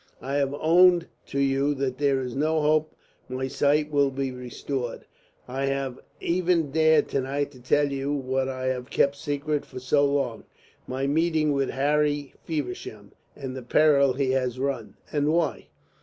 I have owned to you that there is no hope my sight will be restored. I have even dared to night to tell you what I have kept secret for so long, my meeting with Harry Feversham and the peril he has run. And why?